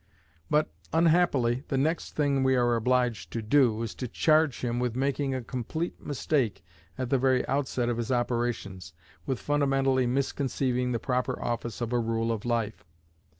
But, unhappily, the next thing we are obliged to do, is to charge him with making a complete mistake at the very outset of his operations with fundamentally misconceiving the proper office of a rule of life.